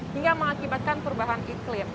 hingga mengakibatkan perubahan iklim